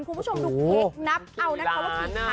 คุณผู้ชมดูเคคนับเอานะคะว่ากี่ครั้ง